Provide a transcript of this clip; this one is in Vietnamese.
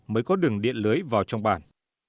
mới có đường điện lưới vào trong bản